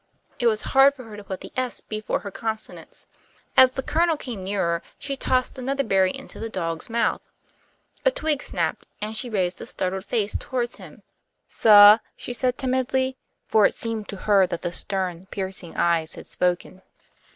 It was hard for her to put the "s" before her consonants. As the Colonel came nearer she tossed another berry into the dog's mouth. A twig snapped, and she raised a startled face toward him. "Suh?" she said, timidly, for it seemed to her that the stern, piercing eyes had spoken.